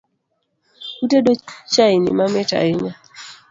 Utedo chaini mamit ahinya